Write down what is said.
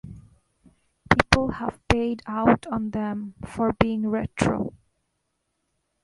People have paid out on them for being retro.